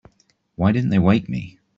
Why didn't they wake me?